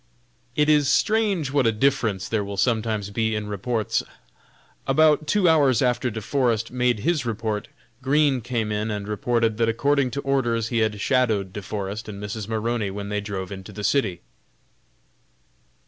It is strange what a difference there will sometimes be in reports. About two hours after De Forest made his report, Green came in and reported that according to orders he had "shadowed" De Forest and Mrs. Maroney when they drove into the city.